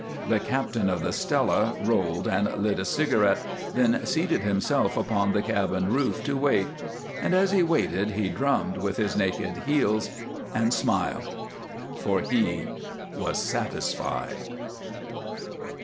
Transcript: The captain of the Stella rolled and lit a cigarette, then seated himself upon the cabin roof to wait. And as he waited he drummed with his naked heels and smiled, for he was satisfied.